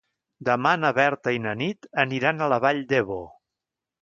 Demà na Berta i na Nit aniran a la Vall d'Ebo.